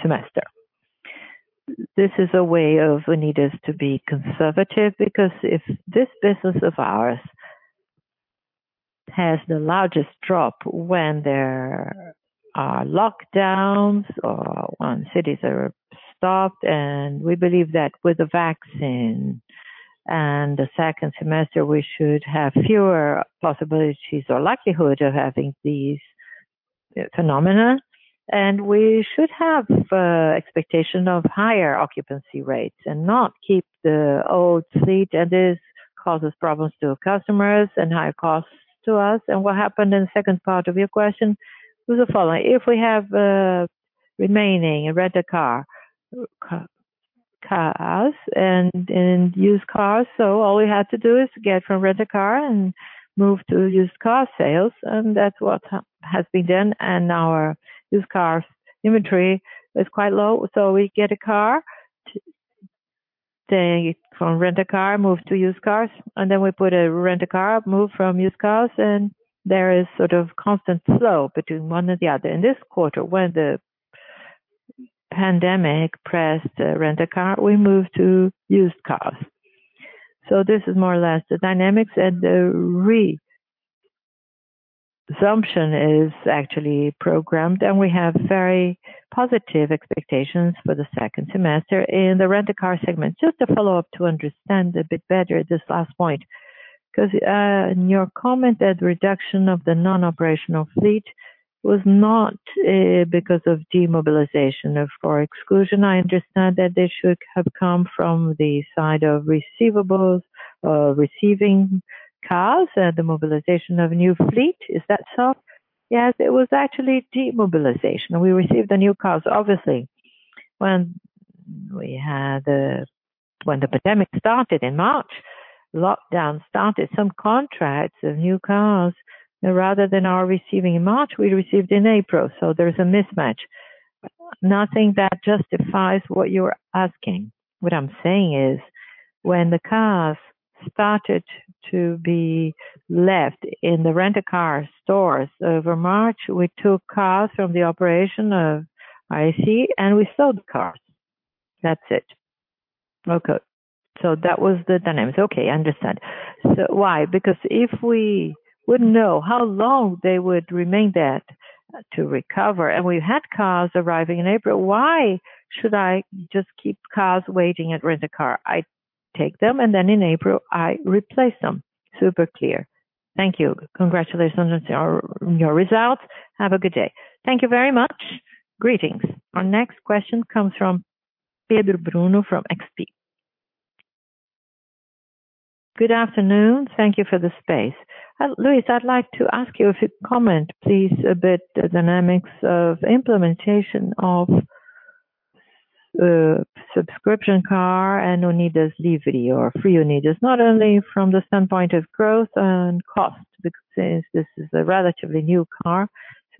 semester. This is a way of needing us to be conservative because if this business of ours has the largest drop when there are lockdowns or when cities are stopped, and we believe that with the vaccine and the second semester, we should have fewer possibilities or likelihood of having these phenomena. We should have expectation of higher occupancy rates and not keep the old fleet and this causes problems to customers and higher costs to us. What happened in the second part of your question was the following. If we have remaining Rent-A-Car cars and used cars, all we have to do is get from Rent-A-Car and move to used car sales, and that's what has been done. Our used cars inventory is quite low. We get a car from Rent-A-Car move to used cars, and then we put a Rent-A-Car move from used cars, and there is sort of constant flow between one and the other. In this quarter, when the pandemic pressed Rent-A-Car, we moved to used cars. This is more or less the dynamics and the resumption is actually programmed and we have very positive expectations for the second semester in the Rent-A-Car segment. Just to follow up to understand a bit better this last point. Your comment that reduction of the non-operational fleet was not because of demobilization for exclusion. I understand that they should have come from the side of receivables or receiving cars and the mobilization of new fleet. Is that so? Yes, it was actually demobilization. We received the new cars, obviously. When the pandemic started in March, lockdown started. Some contracts of new cars rather than our receiving in March, we received in April. There's a mismatch. Nothing that justifies what you're asking. What I'm saying is, when the cars started to be left in the Rent a Car stores over March, we took cars from the operation of RAC and we sold the cars. That's it. Okay. That was the dynamics. Okay, understood. Why? Because if we wouldn't know how long they would remain that to recover, and we had cars arriving in April, why should I just keep cars waiting at Rent a Car? I take them, and then in April, I replace them. Super clear. Thank you. Congratulations on your results. Have a good day. Thank you very much. Greetings. Our next question comes from Pedro Bruno from XP. Good afternoon. Thank you for the space. Luis, I'd like to ask you if you'd comment, please, a bit the dynamics of implementation of subscription car and Unidas Livre or Free Unidas, not only from the standpoint of growth and cost, because this is a relatively new car.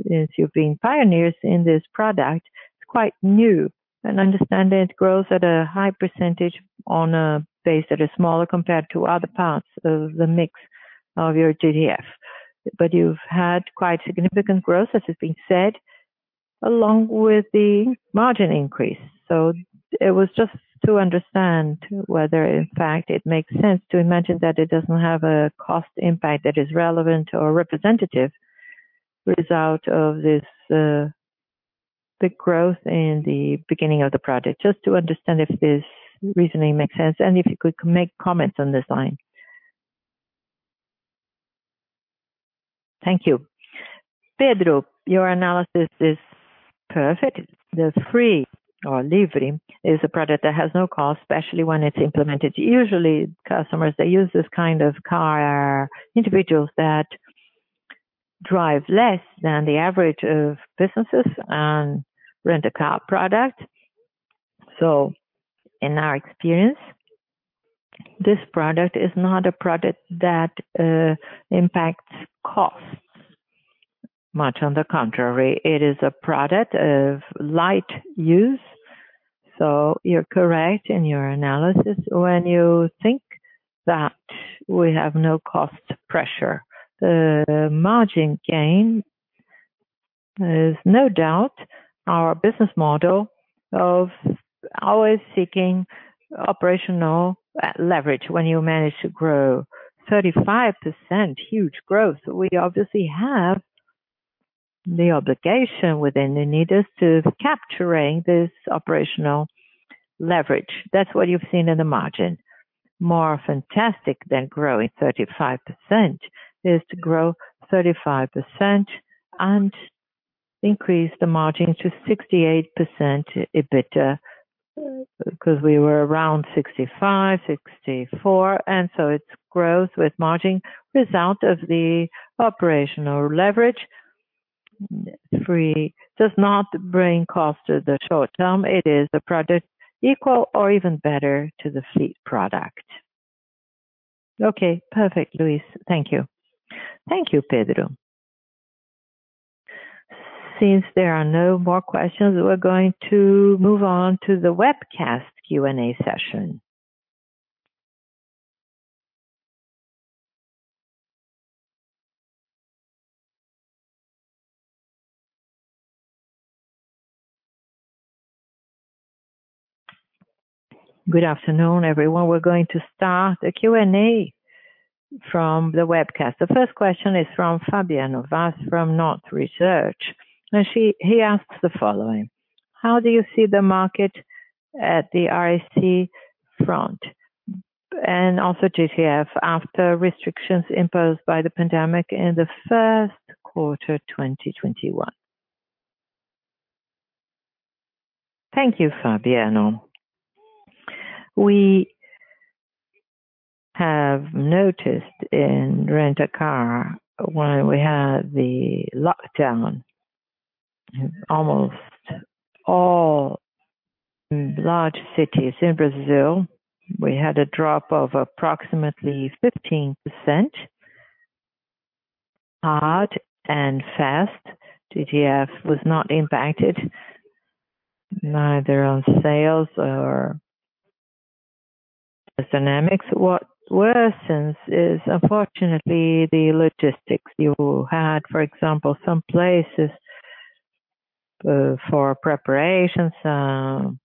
Since you've been pioneers in this product, it's quite new, and understand it grows at a high percentage on a base that is smaller compared to other parts of the mix of your JDF. You've had quite significant growth, as has been said, along with the margin increase. It was just to understand whether, in fact, it makes sense to imagine that it doesn't have a cost impact that is relevant or representative result of this big growth in the beginning of the project. Just to understand if this reasoning makes sense and if you could make comments on this line. Thank you. Pedro, your analysis is perfect. The Free or Livre is a product that has no cost, especially when it's implemented. Usually, customers that use this kind of car are individuals that drive less than the average of businesses and Rent-A-Car product. In our experience, this product is not a product that impacts costs. Much on the contrary, it is a product of light use, so you're correct in your analysis when you think that we have no cost pressure. The margin gain is no doubt our business model of always seeking operational leverage. When you manage to grow 35%, huge growth, we obviously have the obligation within Unidas to capturing this operational leverage. That's what you've seen in the margin. More fantastic than growing 35% is to grow 35% and increase the margin to 68% EBITDA, because we were around 65%, 64%, and so it's growth with margin result of the operational leverage free, does not bring cost to the short-term. It is the product equal or even better to the fleet product. Okay, perfect, Luis. Thank you. Thank you, Pedro. Since there are no more questions, we're going to move on to the webcast Q&A session. Good afternoon, everyone. We're going to start the Q&A from the webcast. The first question is from Fabiano Vaz from Nord Research, he asks the following: How do you see the market at the RAC front and also JDF after restrictions imposed by the pandemic in the first quarter 2021? Thank you, Fabiano. We have noticed in Rent-A-Car, while we had the lockdown, almost all large cities in Brazil, we had a drop of approximately 15%, hard and fast. JDF was not impacted neither on sales or the dynamics. What worsens is unfortunately the logistics you had. For example, some places for preparations to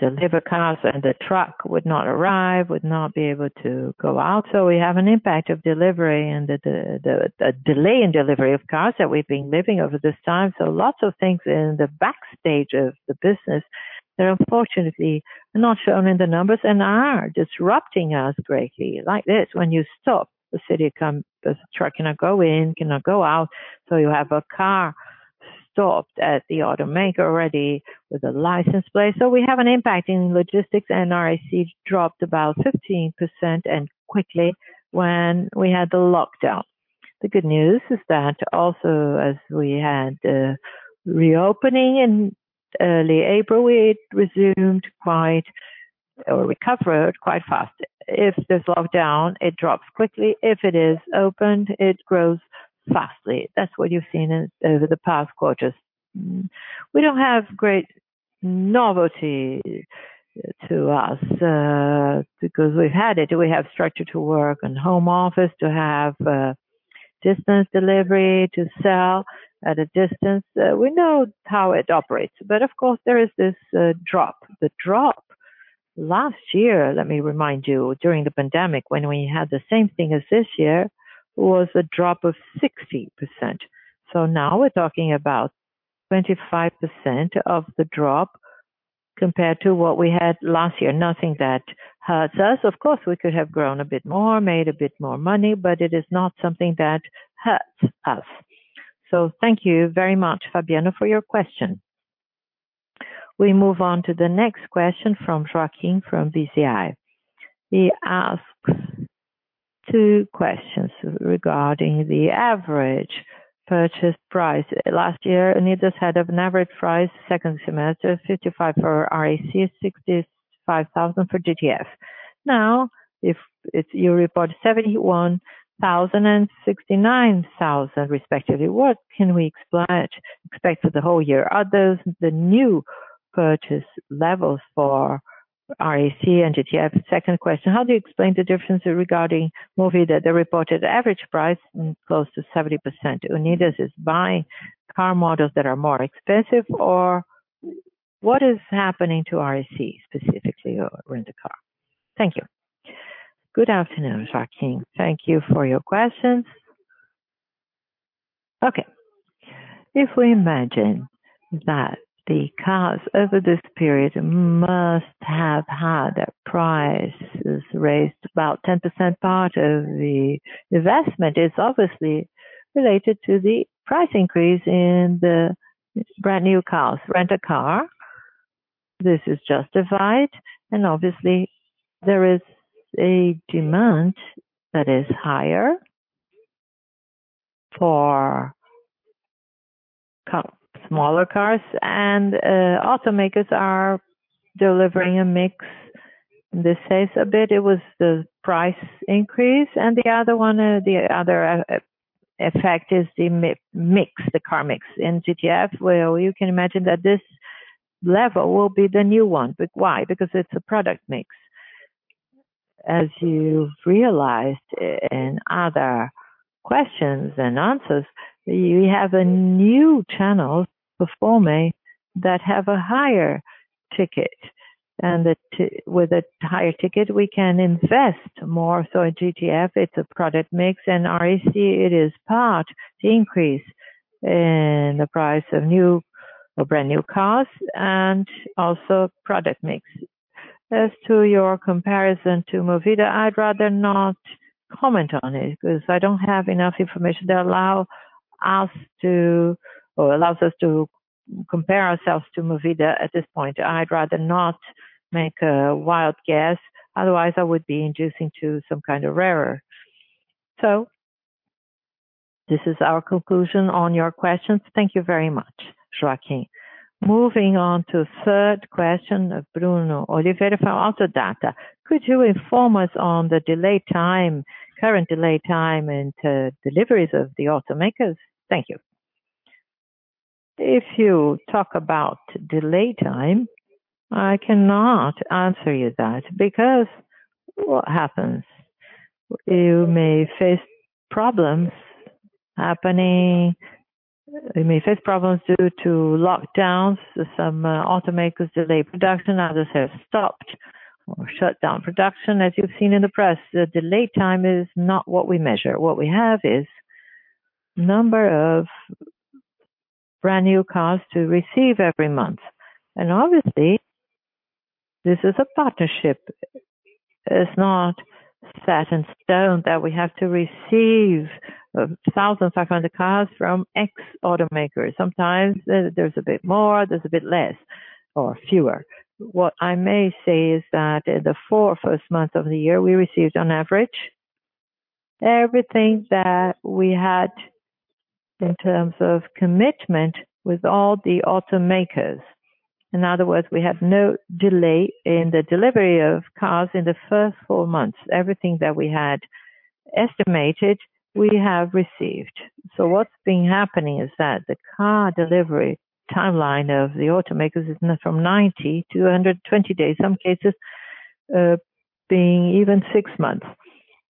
deliver cars and the Truck would not arrive, would not be able to go out. We have an impact of delivery and the delay in delivery of cars that we've been living over this time. Lots of things in the backstage of the business that unfortunately are not shown in the numbers and are disrupting us greatly. Like this, when you stop, the city come, the truck cannot go in, cannot go out, so you have a car stopped at the automaker already with a license plate. We have an impact in logistics, and RAC dropped about 15% and quickly when we had the lockdown. The good news is that also as we had the reopening in early April, we recovered quite fast. If there's lockdown, it drops quickly. If it is opened, it grows fastly. That's what you've seen over the past quarters. We don't have great novelty to us, because we've had it. We have structure to work and home office to have distance delivery to sell at a distance. We know how it operates, of course, there is this drop. The drop last year, let me remind you, during the pandemic, when we had the same thing as this year, was a drop of 60%. Now we're talking about 25% of the drop compared to what we had last year. Nothing that hurts us. Of course, we could have grown a bit more, made a bit more money, but it is not something that hurts us. Thank you very much, Fabiano, for your question. We move on to the next question from Joaquim from BCI. He asks two questions regarding the average purchase price. Last year, Unidas had an average price second semester, 55 for RAC, 65,000 for GTF. Now, if you report 71,000 and 69,000 respectively, what can we expect for the whole year? Are those the new purchase levels for RAC and GTF? Second question, how do you explain the difference regarding Movida, the reported average price close to 70%? Unidas is buying car models that are more expensive, or what is happening to RAC specifically, or rent a car? Thank you. Good afternoon, Joaquim. Thank you for your questions. Okay. If we imagine that the cars over this period must have had their prices raised about 10%, part of the investment is obviously related to the price increase in the brand-new cars. Rent-A-Car, this is justified, and obviously there is a demand that is higher for smaller cars, and automakers are delivering a mix. This says a bit it was the price increase and the other effect is the car mix. In GTF, well, you can imagine that this level will be the new one. Why? Because it's a product mix. As you realized in other questions and answers, you have new channels performing that have a higher ticket, and with a higher ticket, we can invest more. In GTF, it's a product mix. In RAC, it is part the increase in the price of brand-new cars and also product mix. As to your comparison to Movida, I'd rather not comment on it because I don't have enough information that allow us to, or allows us to compare ourselves to Movida at this point. I'd rather not make a wild guess, otherwise I would be inducing to some kind of error. This is our conclusion on your questions. Thank you very much, Joaquim. Moving on to third question of Bruno Oliveira from AutoData. Could you inform us on the current delay time and deliveries of the automakers? Thank you. If you talk about delay time, I cannot answer you that because what happens, you may face problems happening. You may face problems due to lockdowns. Some automakers delay production, others have stopped or shut down production, as you've seen in the press. The delay time is not what we measure. What we have is number of brand-new cars to receive every month. Obviously, this is a partnership. It's not set in stone that we have to receive 1,500 cars from X automakers. Sometimes there's a bit more, there's a bit less or fewer. What I may say is that in the four first months of the year, we received on average everything that we had in terms of commitment with all the automakers. In other words, we have no delay in the delivery of cars in the first four months. Everything that we had estimated, we have received. What's been happening is that the car delivery timeline of the automakers is from 90 to 120 days, some cases being even six months.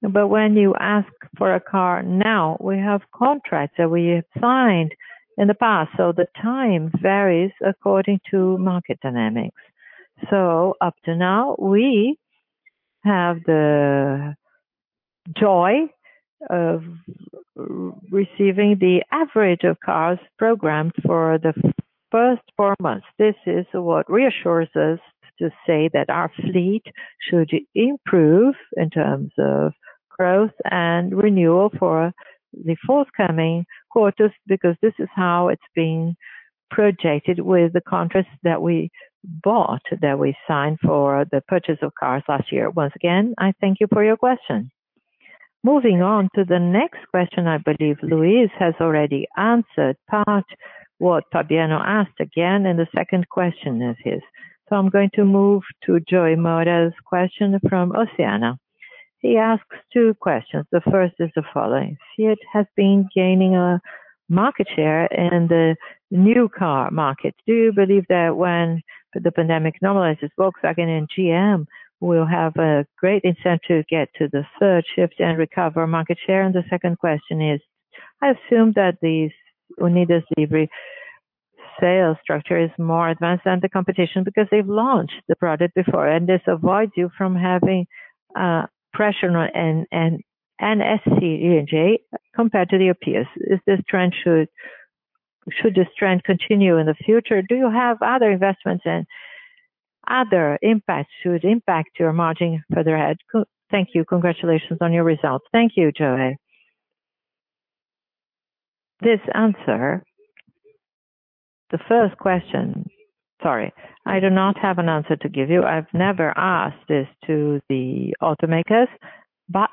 When you ask for a car now, we have contracts that we signed in the past, so the time varies according to market dynamics. Up to now, we have the joy of receiving the average of cars programmed for the first four months. This is what reassures us to say that our fleet should improve in terms of growth and renewal for the forthcoming quarters, because this is how it's been projected with the contracts that we bought, that we signed for the purchase of cars last year. Once again, I thank you for your question. Moving on to the next question, I believe Luis has already answered part what Fabiano asked again, and the second question is his. I'm going to move to João Moura's question from Oceana. He asks two questions. The first is the following: Fiat has been gaining a market share in the new car market. Do you believe that when the pandemic normalizes, Volkswagen and GM will have a great incentive to get to the third shift and recover market share? The second question is, I assume that the Unidas Livre sales structure is more advanced than the competition because they've launched the product before, and this avoids you from having pressure on SG&A compared to your peers. Should this trend continue in the future? Do you have other investments and other impacts should impact your margin further ahead? Thank you. Congratulations on your results. Thank you, João. This answer, the first question. Sorry, I do not have an answer to give you. I've never asked this to the automakers, but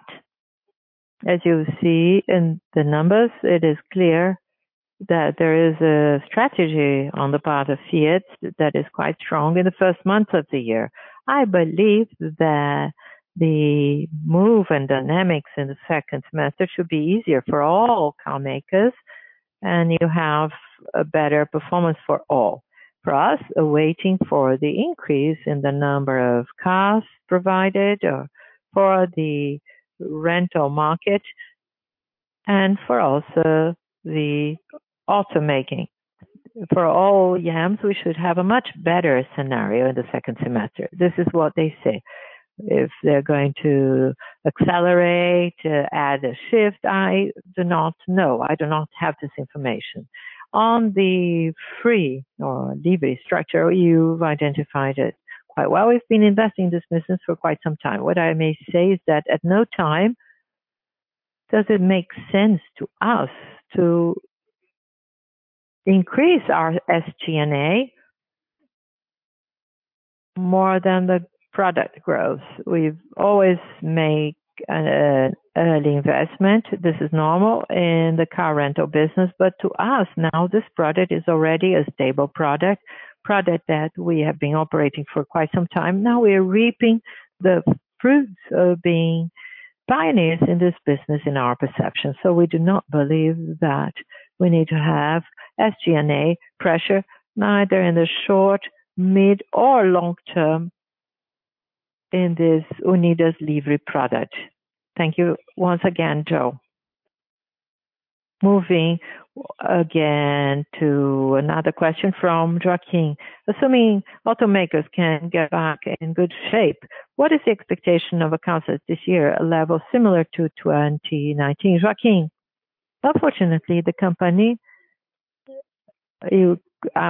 as you see in the numbers, it is clear that there is a strategy on the part of Fiat that is quite strong in the first months of the year. I believe that the move and dynamics in the second semester should be easier for all car makers, and you have a better performance for all. For us, waiting for the increase in the number of cars provided or for the rental market and for also the auto making. For all OEMs, we should have a much better scenario in the second semester. This is what they say. If they're going to accelerate, add a shift, I do not know. I do not have this information. On the Unidas Livre structure, you've identified it quite well. We've been investing in this business for quite some time. What I may say is that at no time does it make sense to us to increase our SG&A more than the product growth. We always make an early investment. This is normal in the car rental business. To us now, this product is already a stable product that we have been operating for quite some time now. We are reaping the fruits of being pioneers in this business in our perception. We do not believe that we need to have SG&A pressure, neither in the short, mid, or long term in this Unidas Livre product. Thank you once again, João. Moving again to another question from Joaquim. Assuming automakers can get back in good shape, what is the expectation of a [CapEx] this year, a level similar to 2019? Joaquim, unfortunately, the company,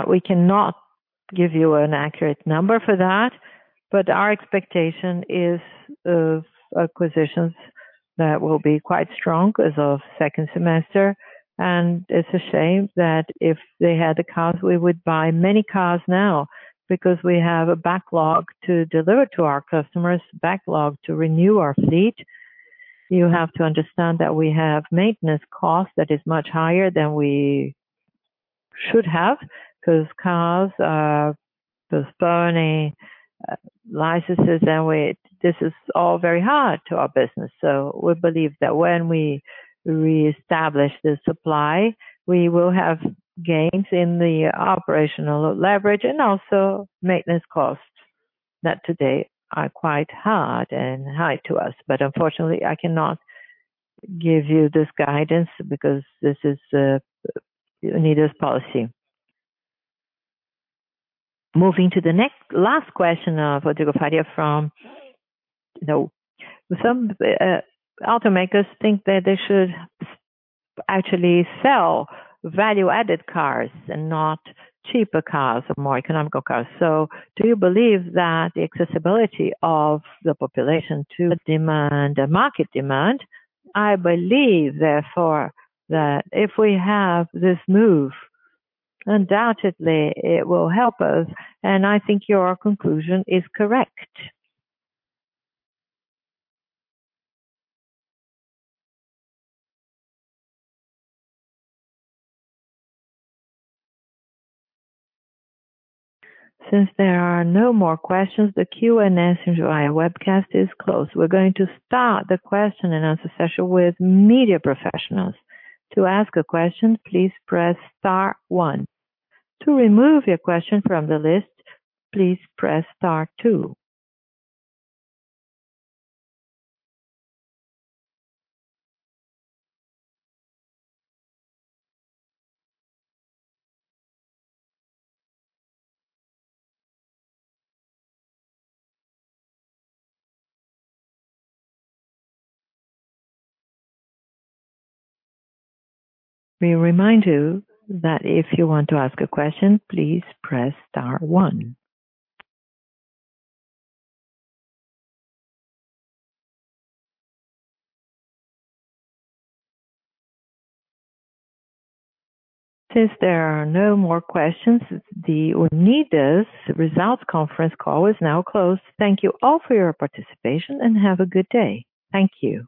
we cannot give you an accurate number for that, but our expectation is of acquisitions that will be quite strong as of second semester. It's a shame that if they had the cars, we would buy many cars now because we have a backlog to deliver to our customers, backlog to renew our fleet. You have to understand that we have maintenance cost that is much higher than we should have because cars are postponing licenses, and this is all very hard to our business. We believe that when we reestablish the supply, we will have gains in the operational leverage and also maintenance costs that today are quite hard and high to us. Unfortunately, I cannot give you this guidance because this is Unidas policy. Moving to the last question of Rodrigo Faria. Some automakers think that they should actually sell value-added cars and not cheaper cars or more economical cars. Do you believe that the accessibility of the population to demand a market demand? I believe, therefore, that if we have this move, undoubtedly it will help us, and I think your conclusion is correct. Since there are no more questions, the Q&A session via webcast is closed. We're going to start the question and answer session with media professionals. To ask a question, please press star one. To remove your question from the list, please press star two. We remind you that if you want to ask a question, please press star one. Since there are no more questions, the Unidas results conference call is now closed. Thank you all for your participation. Have a good day. Thank you